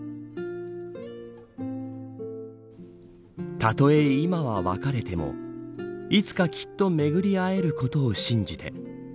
たとえ、今は別れてもいつかきっと巡り合えることを信じて。